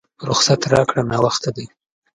رخصت راکړه ناوخته دی!